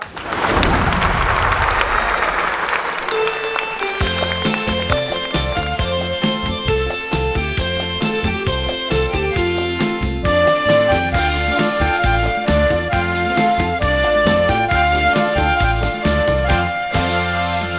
ขอบคุณครับ